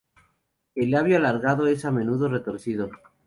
El labio alargado es a menudo retorcido.